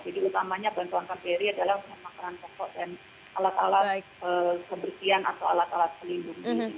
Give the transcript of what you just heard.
jadi utamanya bantuan kbri adalah makanan pokok dan alat alat kebersihan atau alat alat pelindung ini